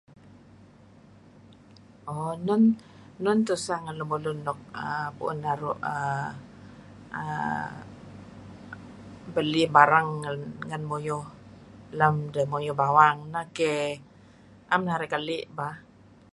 Oh nun nun tuseh lun nuk puun naru' uhm belih barang ngen muyuh lem demuyuh bawang keyh. Naem narih keli' bah.